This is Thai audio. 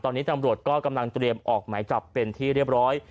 ตอนนี้ตำรวจก็กำลังเตรียมออกหมายจับเป็นที่เรียบร้อย